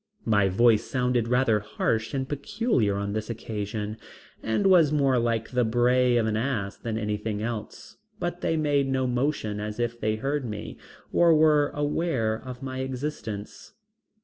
My voice sounded rather harsh and peculiar on this occasion, and was more like the bray of an ass than anything else, but they made no motion as if they heard me, or were aware of my existence.